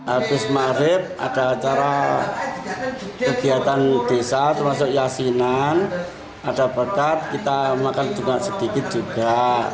abis maharib ada acara kegiatan desa termasuk yasinan ada begat kita makan dengan sedikit juga